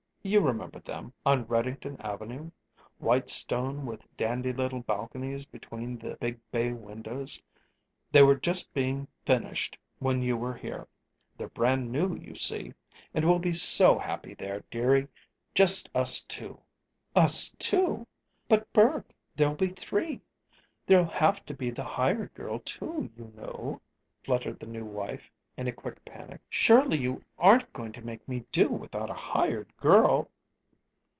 You remember them on Reddington Avenue; white stone with dandy little balconies between the big bay windows. They were just being finished when you were here. They're brand new, you see. And we'll be so happy, there, dearie, just us two!" "Us two! But, Burke, there'll be three. There'll have to be the hired girl, too, you know," fluttered the new wife, in quick panic. "Surely you aren't going to make me do without a hired girl!"